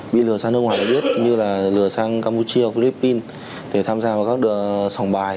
bị lừa sang nước ngoài để biết như là lừa sang campuchia philippines để tham gia vào các sòng bài